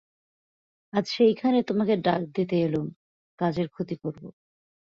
আজ সেইখানে তোমাকে ডাক দিতে এলুম–কাজের ক্ষতি করব।